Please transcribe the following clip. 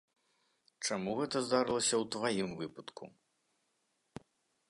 Чаму гэта здарылася ў тваім выпадку?